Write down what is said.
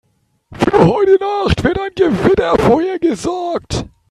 Für heute Nacht wird ein Gewitter vorhergesagt.